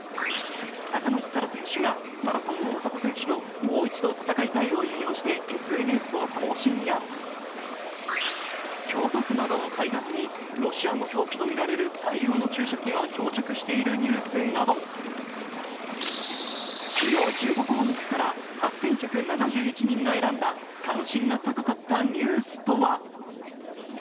高梨沙羅選手がマラソン・大坂選手のもう一度戦いたいを引用してＳＮＳを更新や、京都府などの海岸にロシア語表記とみられる大量の注射器が漂着しているニュースなど、主要１５項目から８１７１人が選んだ関心が高かったニュースとは。